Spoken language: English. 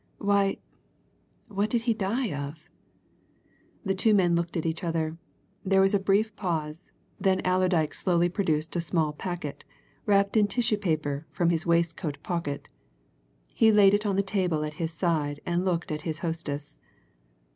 why, what did he die of?" The two men looked at each other. There was a brief pause; then Allerdyke slowly produced a small packet, wrapped in tissue paper, from his waistcoat pocket. He laid it on the table at his side and looked at his hostess.